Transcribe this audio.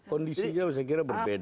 kondisinya saya kira berbeda